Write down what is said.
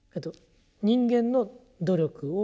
人間の努力を。